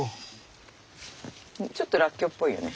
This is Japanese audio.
ちょっとらっきょうっぽいよね